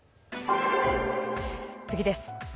次です。